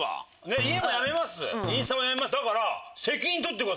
家もやめますインスタもやめます。